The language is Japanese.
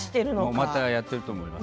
またやっていると思います。